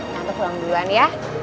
tante pulang duluan ya